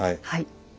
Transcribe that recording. はい。